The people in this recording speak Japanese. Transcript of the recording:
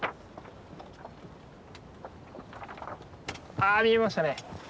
あ見えましたね。